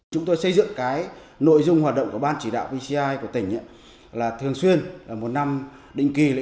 chúng tôi xây dựng cái nội dung hoạt động của ban chỉ đạo vci của tỉnh là thường xuyên